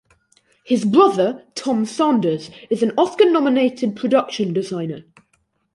His brother, Tom Sanders, is an Oscar nominated production designer.